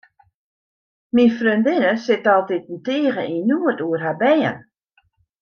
Myn freondinne sit altiten tige yn noed oer har bern.